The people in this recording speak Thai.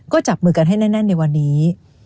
ก็จับมือกันให้แน่นในวันนี้